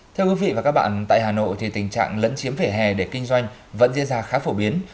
thưa quý vị và các bạn tại hà nội thì tình trạng lẫn chiếm vẻ hè để kinh doanh vẫn diễn ra khá phổ biến